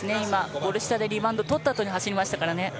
ゴール下でリバウンドをとったあとに走りましたからね。